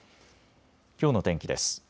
きょうの天気です。